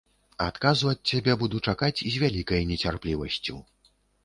Адказу ад цябе буду чакаць з вялікай нецярплівасцю.